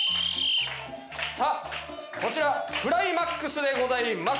さあこちらクライマックスでございます。